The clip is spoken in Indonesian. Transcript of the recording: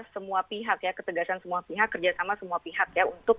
semua pihak ya ketegasan semua pihak kerjasama semua pihak ya